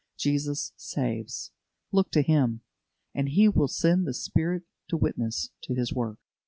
Jesus saves. Look to Him, and He will send the Spirit to witness to His work.